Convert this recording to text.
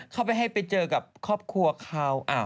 เข้าไปให้ไปเจอกับครอบครัวเขา